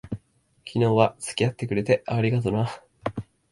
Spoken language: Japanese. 昨日は付き合ってくれて、ありがとな。